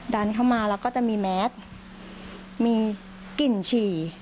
ดันเข้ามาแล้วก็จะมีแมสมีกลิ่นฉี่